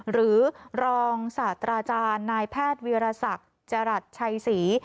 หรือรองศาสตราจารย์นายแพทย์วีรศักดิ์จรัสชัยศรี